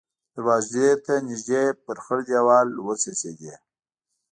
دروازې ته نږدې پر خړ دېوال وڅڅېدې.